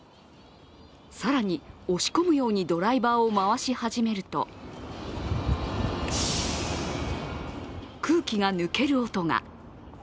更に押し込むようにドライバーを回し始めると空気が抜ける音が。